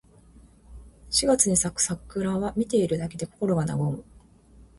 四月に咲く桜は、見ているだけで心が和む。